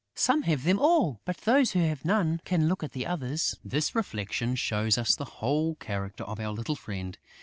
Some have them all; but those who have none can look at the others!" This reflection shows us the whole character of our little friend.